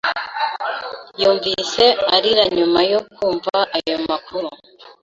Yumvise arira nyuma yo kumva ayo makuru.